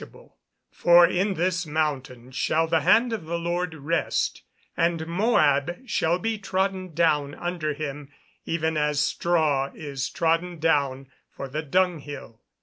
[Verse: "For in this mountain shall the hand of the Lord rest, and Moab shall be trodden down under him, even as straw is trodden down for the dunghill."